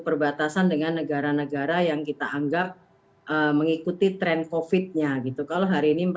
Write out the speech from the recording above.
perbatasan dengan negara negara yang kita anggap mengikuti tren kofitnya gitu kalau hari ini